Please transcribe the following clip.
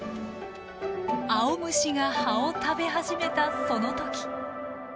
アオムシが葉を食べ始めたその時。